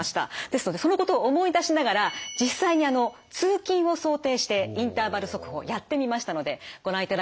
ですのでそのことを思い出しながら実際に通勤を想定してインターバル速歩やってみましたのでご覧いただきたいと思います。